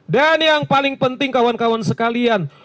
dan yang paling penting kawan kawan sekalian